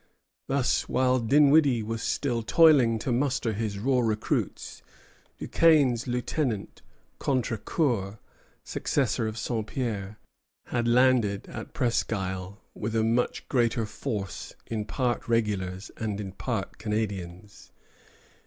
Thus, while Dinwiddie was still toiling to muster his raw recruits, Duquesne's lieutenant, Contrecœur, successor of Saint Pierre, had landed at Presquisle with a much greater force, in part regulars, and in part Canadians.